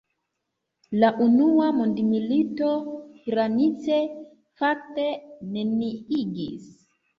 La unua mondmilito Hranice fakte neniigis.